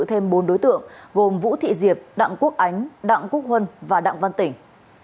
thêm bốn đối tượng gồm vũ thị diệp đặng quốc ánh đặng quốc huân và đặng văn tỉnh